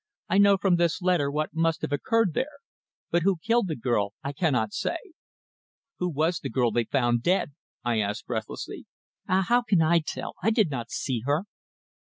"I know from this letter what must have occurred there. But who killed the girl I cannot say." "Who was the girl they found dead?" I asked breathlessly. "Ah! How can I tell? I did not see her."